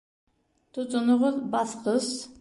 Тотоноғоҙ, баҫҡыс!